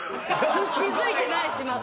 気付いてないしまた。